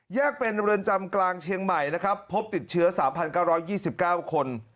แยกเป็นเรือนจำกลางเชียงใหม่นะครับพบติดเชื้อสามพันเก้าร้อยยี่สิบเก้าคน